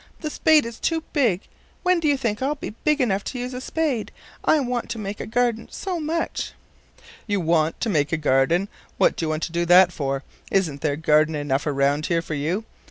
The spade is too big. When do you think I'll be big enough to use a spade? I want to make a garden so much." "You want to make a garden? What do you want to do that for? Isn't there garden enough around here for you?"